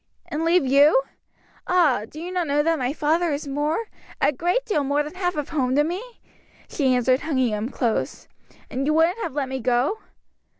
"And leave you? Ah, do you not know that my father is more a great deal more than half of home to me?" she answered, hugging him close. "And you wouldn't have let me go?"